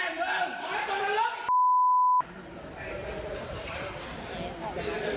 อยาฆ่าที่นั้นเมื่อพ